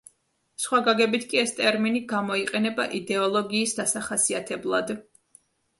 სხვა გაგებით კი ეს ტერმინი გამოიყენება იდეოლოგიის დასახასიათებლად.